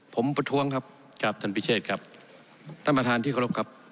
ผมประท้วงครับครับท่านพิเชษครับท่านประธานที่เคารพครับ